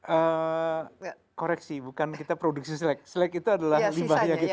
eee koreksi bukan kita produksi slack slack itu adalah limbahnya kita